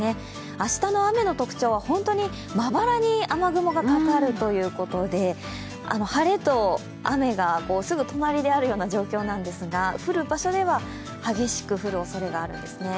明日の雨の特徴は本当にまばらに雨雲がかかるということで晴れと雨がすぐ隣であるような状況なんですが降る場所では激しく降るおそれがあるんです。